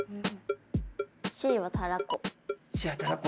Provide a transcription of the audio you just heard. Ｃはたらこ。